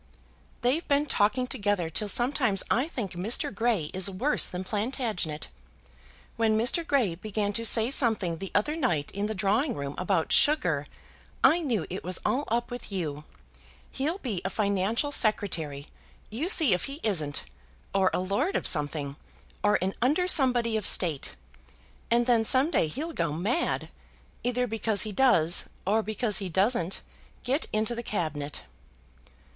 "They've been talking together till sometimes I think Mr. Grey is worse than Plantagenet. When Mr. Grey began to say something the other night in the drawing room about sugar, I knew it was all up with you. He'll be a financial Secretary; you see if he isn't; or a lord of something, or an under somebody of State; and then some day he'll go mad, either because he does or because he doesn't get into the Cabinet."